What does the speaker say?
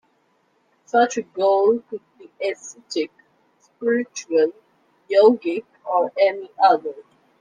Such a goal could be ascetic, spiritual, yogic or any other.